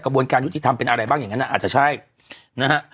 บวนการยุติธรรมเป็นอะไรบ้างอย่างนั้นอาจจะใช่นะฮะ